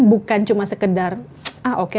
bukan cuma sekedar ah oke